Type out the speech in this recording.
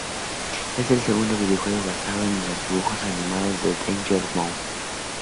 Es el segundo videojuego basado en los dibujos animados de Danger Mouse.